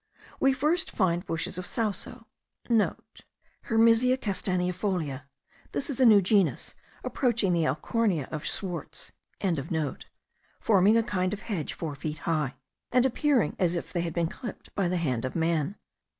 We first find bushes of sauso,* (* Hermesia castaneifolia. This is a new genus, approaching the alchornea of Swartz.) forming a kind of hedge four feet high, and appearing as if they had been clipped by the hand of man.